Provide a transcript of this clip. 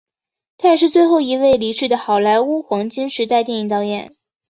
他也是最后一位离世的好莱坞黄金时代电影导演。